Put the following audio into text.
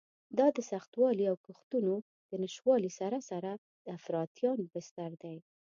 دا د سختوالي او کښتونو د نشتوالي سره سره د افراطیانو بستر دی.